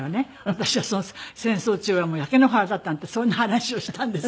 私は「戦争中は焼け野原だった」なんてそんな話をしたんです